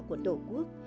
của tổ quốc